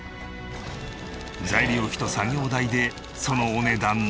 材料費と作業代でそのお値段なんと。